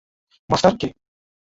Master - কে?